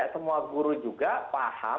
semua guru juga paham